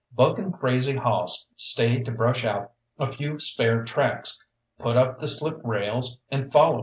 Buck and Crazy Hoss stayed to brush out a few spare tracks, put up the slip rails and follow.